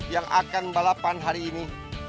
yang akan balapan hari ini